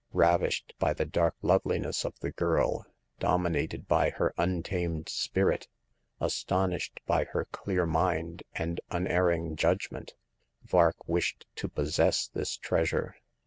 Ravished by the dark loveliness of the girl, dominated by her untamed spirit, astonished by her clear mind and unerring judgment, Vark wished to possess this treasure.